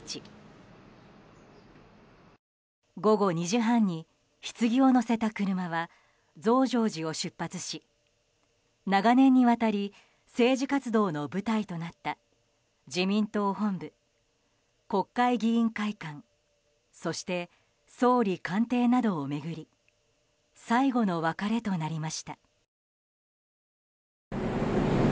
午後２時半にひつぎを乗せた車は増上寺を出発し長年にわたり、政治活動の舞台となった自民党本部国会議員会館そして総理官邸などを巡り最後の別れとなりました。